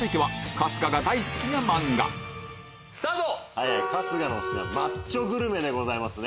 春日の好きな『マッチョグルメ』でございます。